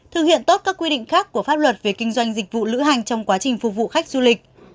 thực hiện tốt các quy định khác của pháp luật về kinh doanh dịch vụ lữ hành trong quá trình phục vụ khách du lịch